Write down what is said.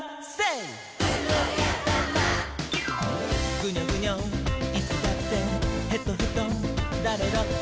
「グニョグニョいつだってヘトヘトだれだって」